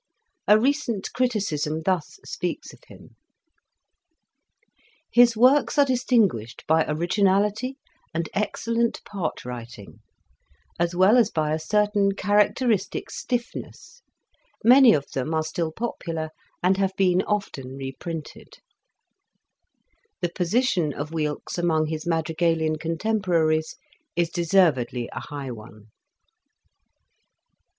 A recent criticism thus speaks of him :'' His works are distinguished by originality and excellent part writing, as well as by a certain char acteristic stiffness, many of them are still popular, and have been often reprinted," The position of Weelkes among his madri galian contemporaries is deservedly a high one.